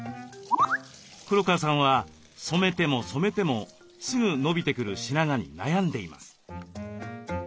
黒川さんは染めても染めてもすぐ伸びてくる白髪に悩んでいます。